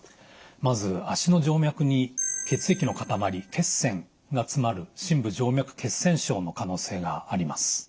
まず脚の静脈に血液の塊血栓が詰まる深部静脈血栓症の可能性があります。